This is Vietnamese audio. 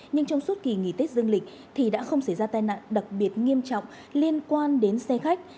nhưng trong suốt kỳ nghỉ tết dương lịch thì đã không xảy ra tai nạn đặc biệt nghiêm trọng liên quan đến xe khách